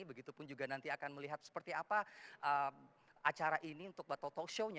begitupun juga nanti akan melihat seperti apa acara ini untuk battle talk show nya